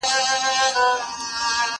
زه کولای سم انځورونه رسم کړم!؟